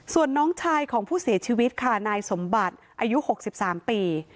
ส่วนน้องชายของผู้เสียชีวิตค่ะนายสมบัติอายุ๖๓ปี